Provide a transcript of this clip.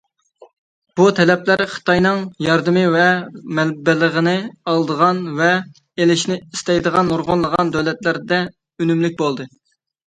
بۇ تەلەپلەر خىتاينىڭ ياردىمى ۋە مەبلىغىنى ئالىدىغان ۋە ئېلىشنى ئىستەيدىغان نۇرغۇنلىغان دۆلەتلەردە ئۈنۈملۈك بولدى .